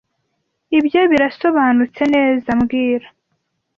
Ibyo birasobanutse neza mbwira